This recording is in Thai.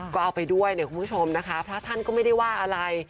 ก็เอาไปด้วยเนี่ยคุณผู้ชมนะคะพระท่านก็ไม่ได้ว่าอะไร